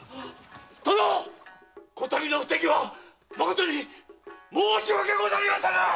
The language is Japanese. こたびの不手際まことに申し訳ございませぬ！